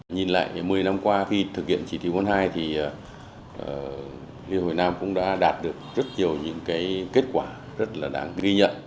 nhìn lại một mươi năm qua khi thực hiện chỉ thị bốn mươi hai thì liên hiệp hội việt nam cũng đã đạt được rất nhiều những kết quả rất là đáng ghi nhận